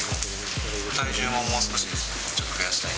体重ももう少し増やしたい。